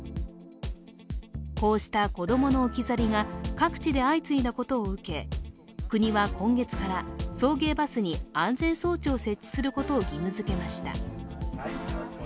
こうした子供の置き去りが各地で相次いだことを受け、国は今月から送迎バスに安全装置を設置することを義務づけました。